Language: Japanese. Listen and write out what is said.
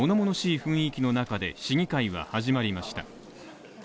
雰囲気の中で、市議会は始まりました。